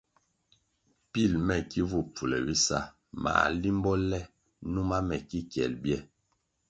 Pil me ki vu pfule bisa mā limbo le numa me ki kyel bye,